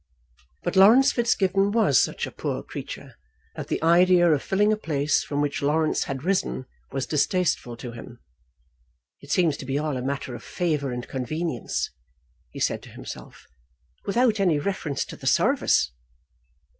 But Laurence Fitzgibbon was such a poor creature, that the idea of filling a place from which Laurence had risen was distasteful to him. "It seems to be all a matter of favour and convenience," he said to himself, "without any reference to the service."